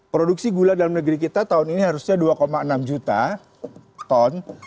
produksi gula dalam negeri kita tahun ini harusnya dua enam juta ton